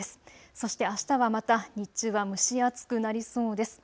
そしてあしたはまた日中は蒸し暑くなりそうです。